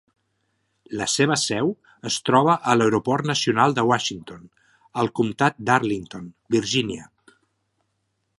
La seva seu es troba a l'aeroport nacional de Washington, al comptat d'Arlington, Virginia.